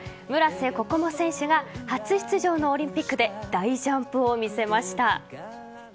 村瀬心椛選手が初出場のオリンピックで大ジャンプを見せました。